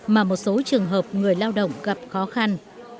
mà một số trường hợp người lao động gặp khó khăn